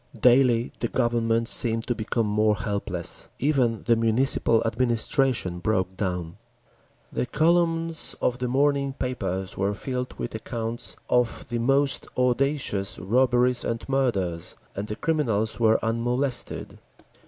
Daily the Government seemed to become more helpless. Even the Municipal administration broke down. The columns of the morning papers were filled with accounts of the most audacious robberies and murders, and the criminals were unmolested.